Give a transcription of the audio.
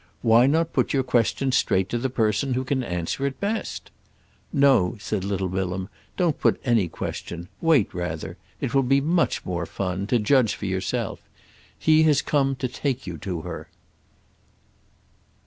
"Why not put your question straight to the person who can answer it best?" "No," said little Bilham; "don't put any question; wait, rather—it will be much more fun—to judge for yourself. He has come to take you to her."